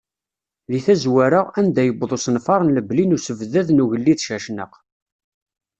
Deg tazwara, anda yewweḍ usenfar n lebni n usebddad n ugellid Cacnaq.